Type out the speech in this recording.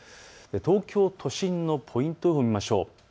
東京都心のポイント予報を見ましょう。